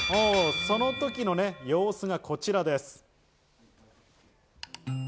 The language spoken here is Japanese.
その時の様子がこちらです。